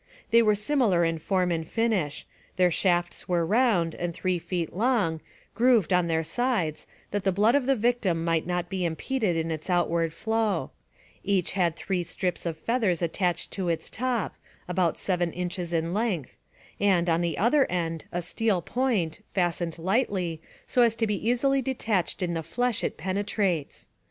They were similar in form and finish ; the shafts were round and three feet long, grooved on their sides, that the blood of the victim might not be impeded in its outward flow ; each had three strips of feathers attached to its top, about seven inches in length, and, on the other end, a steel point, fastened lightly, so as to be easily detached in the flesh it penetrates.